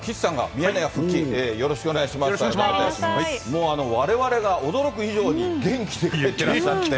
もうわれわれが驚く以上に元気で帰ってらっしゃって。